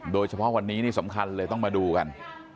โดยเฉพาะวันนี้นี่สำคัญเลยต้องมาดูกัน